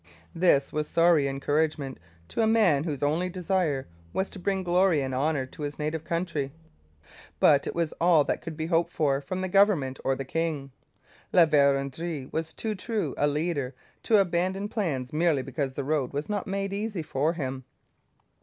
This was sorry encouragement to a man whose only desire was to bring glory and honour to his native country; but it was all that could be hoped for from the government or the king. La Vérendrye was too true a leader to abandon plans merely because the road was not made easy for him.